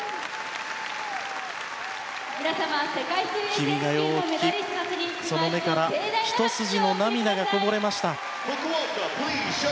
「君が代」を聴き、その目からひと筋の涙がこぼれました。